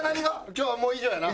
今日はもう以上やな。